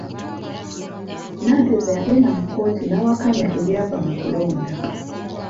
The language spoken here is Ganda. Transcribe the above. Nanteza yagenda mu kkooti ng'awakanya ebyava mu kulonda